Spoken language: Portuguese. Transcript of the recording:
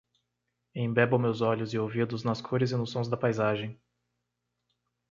embebo meus olhos e ouvidos nas cores e nos sons da paisagem